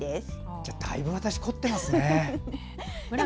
じゃあ、だいぶ私凝ってますね。